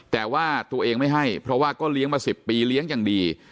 แต่ว่าตัวเองไม่ให้เพราะว่าก็เลี้ยงมา๑๐ปีเลี้ยงอย่างดี